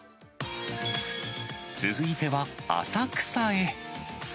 続いては浅草へ。